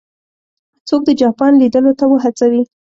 څوک د جاپان لیدلو ته وهڅوي.